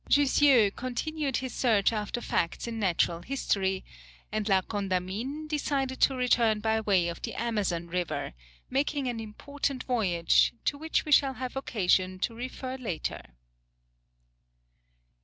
Jussieu continued his search after facts in natural history, and La Condamine decided to return by way of the Amazon River, making an important voyage, to which we shall have occasion to refer later.